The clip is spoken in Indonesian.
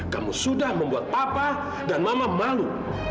kamu sudah membuat papa dan mama malu